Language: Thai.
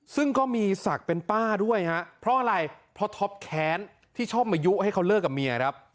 ซึ่งก็มีศักดิ์เป็นป้าด้วยฮะเพราะอะไรเพราะท็อปแค้นที่ชอบมายุให้เขาเลิกกับเมียครับ